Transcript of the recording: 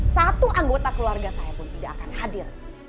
satu anggota keluarga saya pun tidak akan hadir